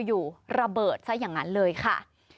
อยู่ระเบิดซะอย่างนั้นเลยค่ะ